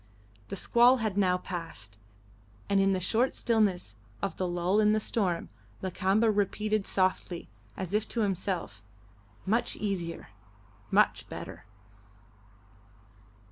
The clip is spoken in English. The squall had now passed, and, in the short stillness of the lull in the storm, Lakamba repeated softly, as if to himself, "Much easier. Much better."